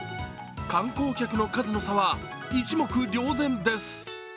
観光客の数の差は一目瞭然です。